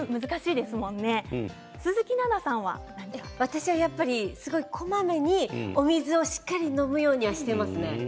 私は、こまめにお水をしっかり飲むようにはしていますね。